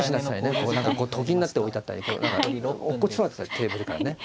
こう何かと金になって置いてあったり落っこちそうになってたりテーブルからね。